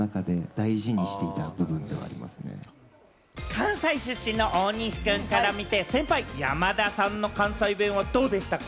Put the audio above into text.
関西出身の大西君から見て、先輩・山田さんの関西弁はどうでしたか？